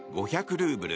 ルーブル